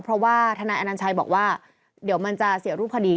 เพราะว่าทนายอนัญชัยบอกว่าเดี๋ยวมันจะเสียรูปคดี